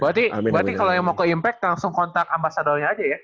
berarti kalau yang mau ke impact langsung kontak ambasadolnya aja ya